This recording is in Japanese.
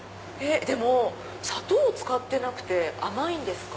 でも砂糖を使ってなくて甘いんですか？